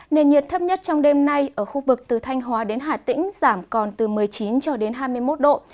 nền nhiệt thấp nhất trong đêm nay ở khu vực từ thanh hóa đến hà tĩnh giảm còn từ một mươi chín cho đến hai mươi một độ